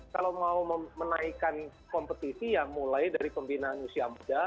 kalau mau menaikkan kompetisi ya mulai dari pembinaan usia muda